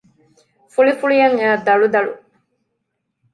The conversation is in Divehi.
ފުޅިފުޅިއައި ދަޅުދަޅު